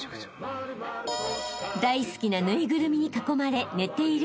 ［大好きな縫いぐるみに囲まれ寝ている］